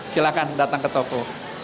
silahkan datang ke toko